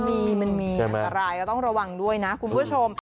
มันมีมันมีอะไรก็ต้องระวังด้วยนะคุณผู้ชม